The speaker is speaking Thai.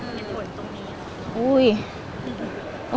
เกี่ยวกับเหมือนหน่วงไม่สนตรงนี้